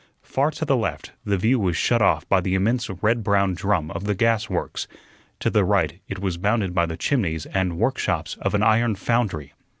Far to the left the view was shut off by the immense red brown drum of the gas works; to the right it was bounded by the chimneys and workshops of an iron foundry.